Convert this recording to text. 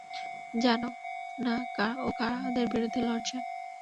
জান না ও কাদের বিরুদ্ধে লড়ছে।